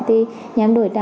thì nhắn đổi tiền